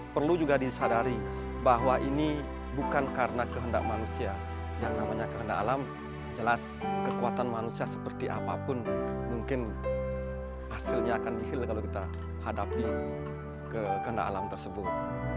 perlu juga disadari bahwa ini bukan karena kehendak manusia yang namanya kehendak alam jelas kekuatan manusia seperti apapun mungkin hasilnya akan dihilir kalau kita hadapi kehendak alam tersebut